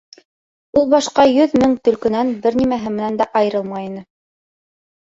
Ул башҡа йөҙ мең төлкөнән бер нимәһе менән дә айырылмай ине.